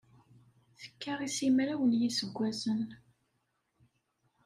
Tekka i simraw n yiseggasen.